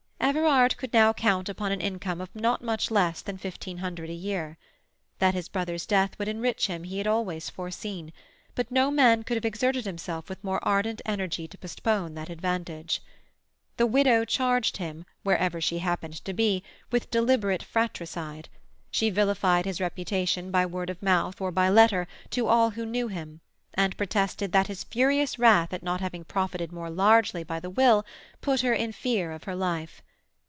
Everard could now count upon an income of not much less than fifteen hundred a year. That his brother's death would enrich him he had always foreseen, but no man could have exerted himself with more ardent energy to postpone that advantage. The widow charged him, wherever she happened to be, with deliberate fratricide; she vilified his reputation, by word of mouth or by letter, to all who knew him, and protested that his furious wrath at not having profited more largely by the will put her in fear of her life.